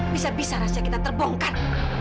bisa bisa rasa kita terbongkar